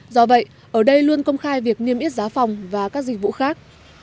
do vậy ở đây luôn công khai việc niêm yết giá phòng và các dịch vụ khác